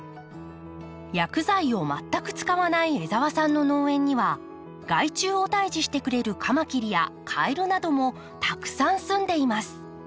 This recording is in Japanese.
薬剤を全く使わない江澤さんの農園には害虫を退治してくれるカマキリやカエルなどもたくさんすんでいます。